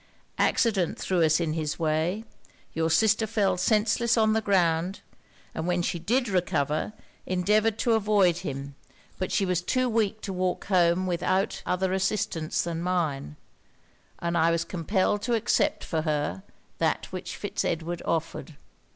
Accident threw us in his way; your sister fell senseless on the ground; and when she did recover, endeavoured to avoid him: but she was too weak to walk home without other assistance than mine, and I was compelled to accept for her, that which Fitz Edward offered.